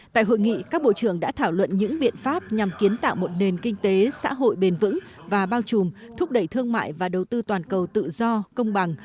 tại hội nghị các bộ trưởng đã thảo luận những biện pháp nhằm kiến tạo một nền kinh tế xã hội bền vững và bao trùm thúc đẩy thương mại và đầu tư toàn cầu tự do công bằng